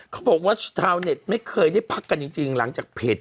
เขาบอกว่าชาวเน็ตไม่เคยได้พักกันจริงหลังจากเพจ